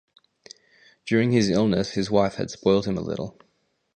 During his illness his wife had spoilt him a little.